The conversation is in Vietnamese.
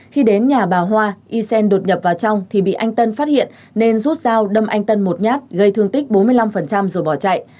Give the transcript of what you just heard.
khi đến nhà bà hoa y xen đột nhập vào trong thì bị anh tân phát hiện nên rút dao đâm anh tân một nhát gây thương tích bốn mươi năm rồi bỏ chạy